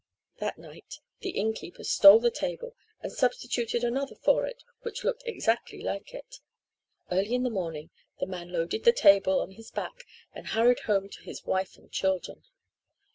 That night the innkeeper stole the table and substituted another for it which looked exactly like it. Early in the morning the man loaded the table on his back and hurried home to his wife and children.